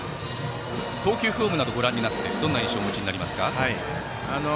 投球フォームなどをご覧になってどんな印象をお持ちになりますか？